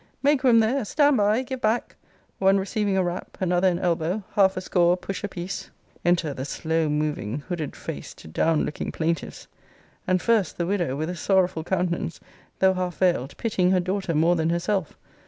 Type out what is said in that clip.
Make room there! stand by! give back! One receiving a rap, another an elbow, half a score a push a piece! Enter the slow moving, hooded faced, down looking plaintiffs. And first the widow, with a sorrowful countenance, though half veiled, pitying her daughter more than herself.